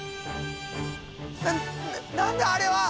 な何だあれは！？